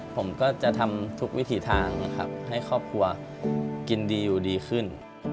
ผมก็จะทำทุกวิถีทางนะครับให้ครอบครัวกินดีอยู่ดีขึ้น